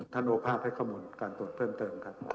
โอภาพให้ข้อมูลการตรวจเพิ่มเติมครับ